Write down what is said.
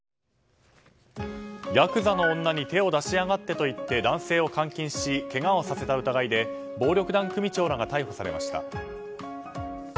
ヤクザの女に手を出しやがってと言って男性を監禁しけがをさせた疑いで暴力団組長らが逮捕されました。